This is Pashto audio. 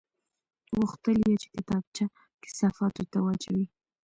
غوښتل یې چې کتابچه کثافاتو ته واچوي